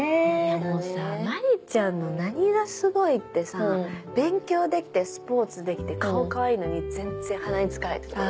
もうさ真里ちゃんの何がすごいってさ勉強できてスポーツできて顔かわいいのに全然鼻につかないところ。